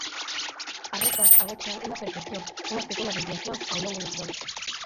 As rectas agochan unha perfección cunhas pequenas desviacións ao longo de quilómetros.